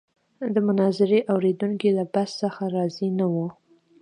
د مناظرې اورېدونکي له بحث څخه راضي نه وو.